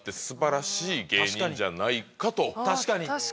確かに。